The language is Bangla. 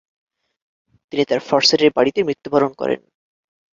তিনি তার ফরসেটের বাড়িতে মৃত্যুবরণ করেন।